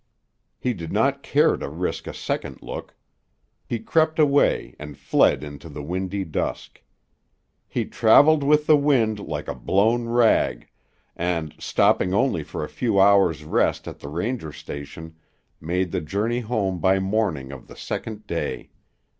He did not care to risk a second look. He crept away and fled into the windy dusk. He traveled with the wind like a blown rag, and, stopping only for a few hours' rest at the ranger station, made the journey home by morning of the second day.